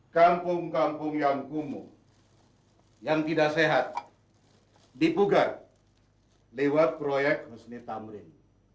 kampung kampung yang kumuh yang tidak sehat dibugar lewat proyek husni tamrin